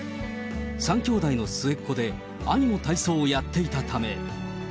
３兄弟の末っ子で、兄も体操をやっていたため。